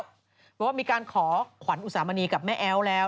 บอกว่ามีการขอขวัญอุสามณีกับแม่แอ๊วแล้ว